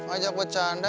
ajak buat gila